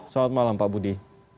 selamat malam pak budi